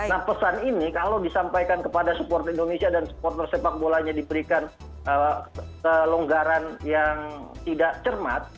nah pesan ini kalau disampaikan kepada supporter indonesia dan supporter sepak bolanya diberikan kelonggaran yang tidak cermat